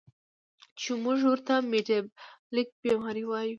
چې مونږ ورته ميټابالک بیمارۍ وايو